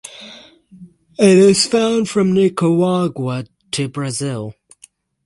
It is found from Nicaragua to Brazil.